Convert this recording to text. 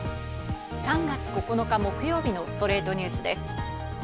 ３月９日、木曜日の『ストレイトニュース』です。